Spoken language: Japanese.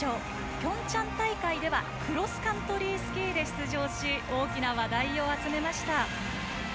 ピョンチャン大会ではクロスカントリースキーで出場し大きな話題を集めました。